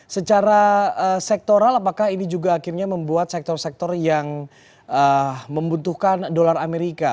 secara sektoral apakah ini juga akhirnya membuat sektor sektor yang membutuhkan dolar amerika